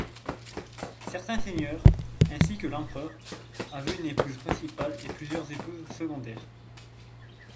Certains seigneurs, ainsi que l'empereur, avait une épouse principale et plusieurs épouses secondaires.